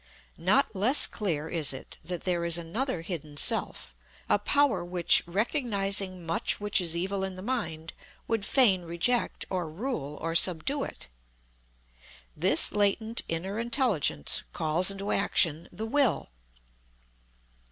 Not less clear is it that there is another hidden Self a power which, recognizing much which is evil in the Mind, would fain reject, or rule, or subdue it. This latent, inner Intelligence calls into action the Will.